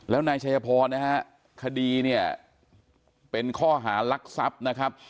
แล้วนายชัยพรนะฮะคดีเนี่ยเป็นข้อหารักทรัพย์นะครับ